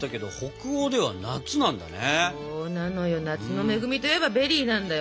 そうなのよ夏の恵みといえばベリーなんだよ